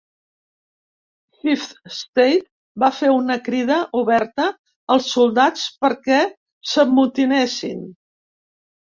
"Fifth Estate" va fer una crida oberta als soldats per que s'amotinessin.